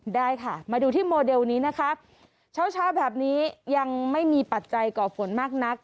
ได้ค่ะมาดูที่โมเดลนี้นะคะเช้าเช้าแบบนี้ยังไม่มีปัจจัยก่อฝนมากนัก